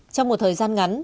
trong một thời gian ngắn